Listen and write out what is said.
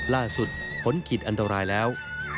ล่าสุดผลกิจอันตรายแล้ว